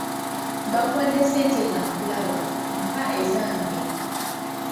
Bakuwadde ssente nga nkulaba mpa ezange.